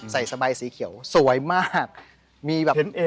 ชื่องนี้ชื่องนี้ชื่องนี้ชื่องนี้ชื่องนี้